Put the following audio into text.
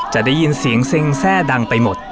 จะได้ยินเสียงเซ็งแทร่ดังไปหมด